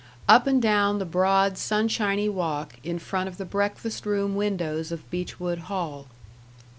up and down the broad, sunshiny walk, in front of the breakfast room windows of Beechwood Hall.